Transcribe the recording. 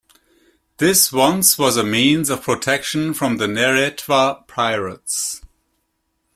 This once was a means of protection from the Neretva pirates.